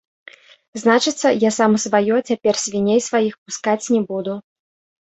Значыцца, я сам у сваё цяпер свіней сваіх пускаць не буду.